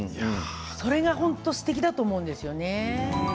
それがすてきだと思うんですよね。